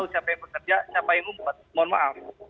siapa yang bekerja siapa yang membuat mohon maaf